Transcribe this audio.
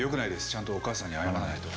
ちゃんとお母さんに謝らないと。